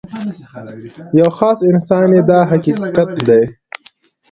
یو خاص انسان یې دا حقیقت دی.